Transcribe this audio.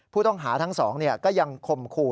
ผู้ต้องหาทั้ง๒ก็ยังคมคู่